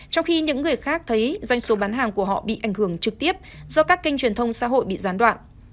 trong khi những người khác thấy doanh số bán hàng của họ bị ảnh hưởng trực tiếp do các kênh truyền thông xã hội bị gián đoạn